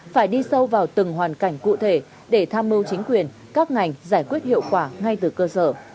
phải đi sâu vào từng hoàn cảnh cụ thể để tham mưu chính quyền các ngành giải quyết hiệu quả ngay từ cơ sở